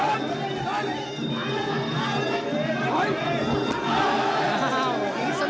ทอด